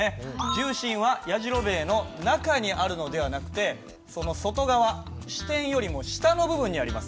重心はやじろべえの中にあるのではなくてその外側支点よりも下の部分にあります。